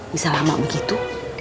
bisa lama begitu